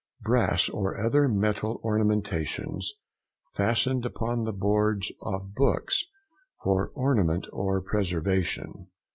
—Brass or other metal ornamentations fastened upon the boards of books; for ornament or preservation.